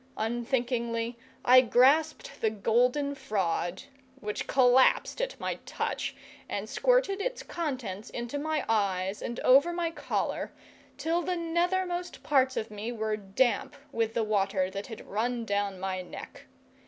Unthinkingly I grasped the golden fraud, which collapsed at my touch, and squirted its contents into my eyes and over my collar, till the nethermost parts of me were damp with the water that had run down my neck.